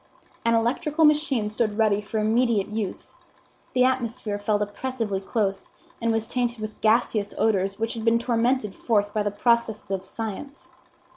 An electrical machine stood ready for immediate use. The atmosphere felt oppressively close, and was tainted with gaseous odors which had been tormented forth by the processes of science.